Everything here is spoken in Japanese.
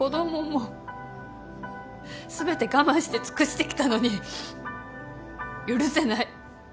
全て我慢して尽くしてきたのに許せない。